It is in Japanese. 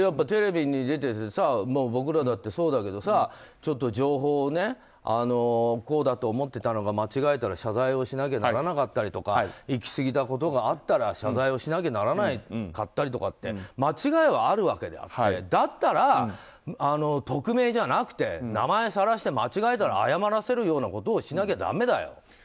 テレビに出ててさ僕らだってそうだけど情報を、こうだと思ってたのが間違えたら謝罪をしなきゃならなかったりとかいきすぎたことがあったら謝罪をしなければならなかったりとか間違いはあるわけであってだったら匿名じゃなくて名前をさらして間違えたら謝らせるようなことをしなきゃだめだよ。